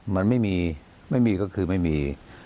มันไม่มีไม่มีก็คือไม่มี